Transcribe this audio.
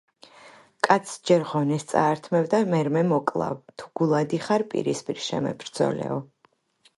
კაცს ჯერ ღონეს წაართმევ და მერმე მოკლავ; თუ გულადი ხარ, პირისპირ შემებრძოლეო!